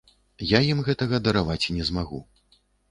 Я ім гэтага дараваць не змагу.